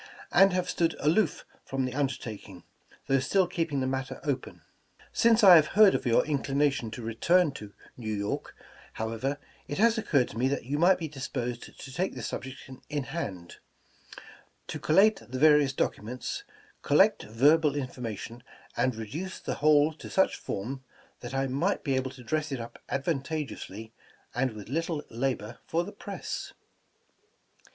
and have stood aloof from the undertaking, though still keeping the matter open. ''Since I have heard of your inclination to return to New York, however, it has occurred to me that you might be disposed to take this subject in hand; to col late the various documents, collect verbal information, and reduce the whole to such form that I might be able to dress it up advantageously, and with little labor, fox* the press.